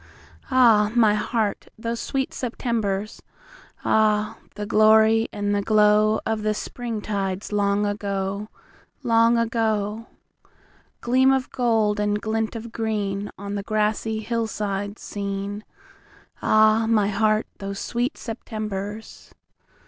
Ah, my heart, those sweet Septembers! Ah, the glory and the glowOf the Spring tides long ago, Long ago! Gleam of gold, and glint of greenOn the grassy hillsides seen, Ah, my heart, those sweet Septembers!